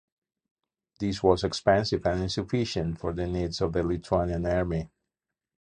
This was expensive and insufficient for the needs of the Lithuanian Army.